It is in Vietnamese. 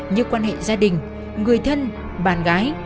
như quan hệ gia đình người thân bạn gái